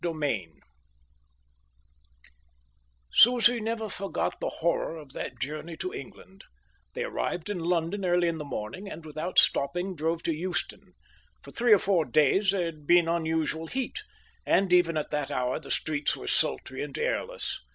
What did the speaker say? Chapter XIV Susie never forgot the horror of that journey to England. They arrived in London early in the morning and, without stopping, drove to Euston. For three or four days there had been unusual heat, and even at that hour the streets were sultry and airless.